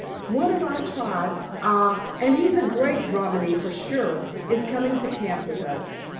"One of our tribe aye, and he's a great Romany for sure is coming to camp with us.